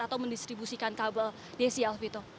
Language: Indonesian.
atau mendistribusikan kabel dclv itu